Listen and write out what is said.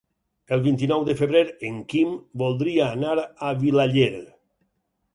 El vint-i-nou de febrer en Quim voldria anar a Vilaller.